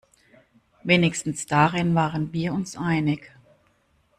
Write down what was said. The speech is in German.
Wenigstens darin waren wir uns einig.